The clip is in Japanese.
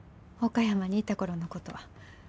岡山にいた頃のことは。